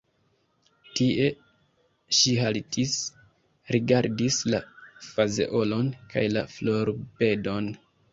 Tie ŝi haltis, rigardis la fazeolon kaj la florbedon.